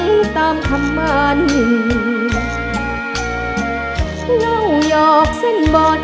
ภูมิสุภาพยาบาลภูมิสุภาพยาบาล